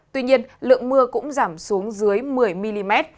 tuy nhiên lượng mưa cũng giảm xuống dưới một mươi mm